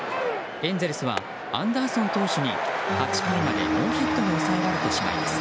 エンゼルスはアンダーソン投手に８回までノーヒットに抑えられてしまいます。